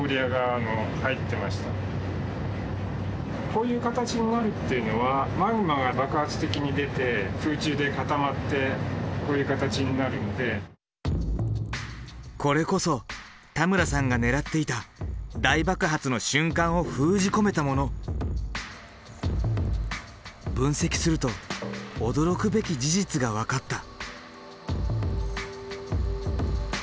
こういう形になるっていうのはこれこそ田村さんが狙っていた大爆発の瞬間を封じ込めたもの。分析すると驚くべき事実が分かった。